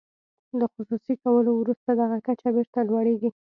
له خصوصي کولو وروسته دغه کچه بیرته لوړیږي.